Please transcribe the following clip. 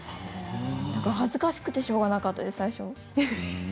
だから恥ずかしくてしょうがなかったです、最初。